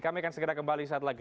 kami akan segera kembali saat lagi